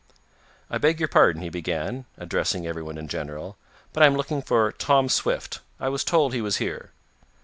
"I beg your pardon," he began, addressing everyone in general, "but I am looking for Tom Swift. I was told he was here."